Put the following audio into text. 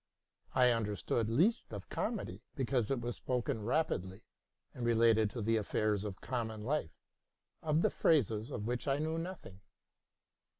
I understood least of comedy ; because it was spoken rapidly, and related to the affairs of common life, of the phrases of which I knew nothing.